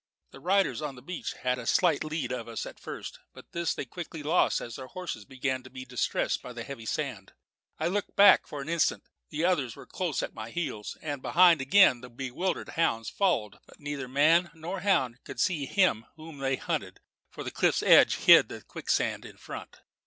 The riders on the beach had a slight lead of us at first; but this they quickly lost as their horses began to be distressed in the heavy sand. I looked back for an instant. The others were close at my heels; and, behind again, the bewildered hounds followed, yelping mournfully. But neither man nor hound could see him whom they hunted, for the cliff's edge hid the quicksand in front.